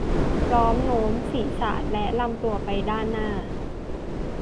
พร้อมโน้มศีรษะและลำตัวไปด้านหน้า